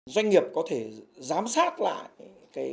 doanh nghiệp có thể giám sát lại